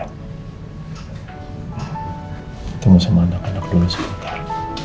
ketemu sama anak anak dulu sebentar